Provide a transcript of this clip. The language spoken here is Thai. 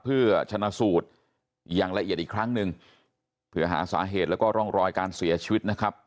เพื่อชนะสูตรอย่างละเอียดอีกครั้งหนึ่งเผื่อหาสาเหตุแล้วก็ร่องรอยการเสียชีวิตนะครับ